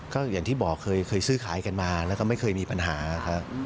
ก็อย่างที่บอกเคยซื้อขายกันมาแล้วก็ไม่เคยมีปัญหาครับ